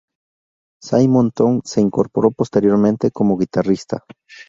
Simon Tong se incorporó posteriormente como guitarrista.